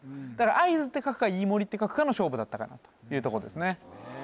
会津って書くか飯盛って書くかの勝負だったかなというとこですねねえ